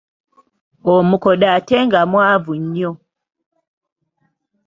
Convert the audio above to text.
Omukodo ate nga mwavu nnyo.